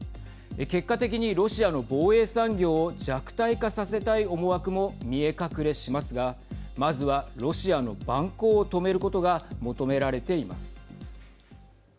結果的にロシアの防衛産業を弱体化させたい思惑も見え隠れしますがまずはロシアの蛮行を止めることが求められています。